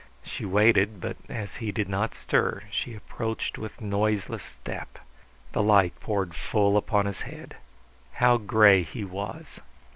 She waited; but as he did not stir she approached with noiseless step. The light poured full upon his head. How gray he was!